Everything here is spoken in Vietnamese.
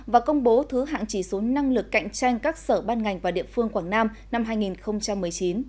và công bố thứ hạng chỉ số năng lực cạnh tranh các sở ban ngành và địa phương quảng nam năm hai nghìn một mươi chín